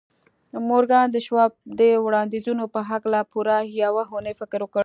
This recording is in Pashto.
مورګان د شواب د وړانديزونو په هکله پوره يوه اونۍ فکر وکړ.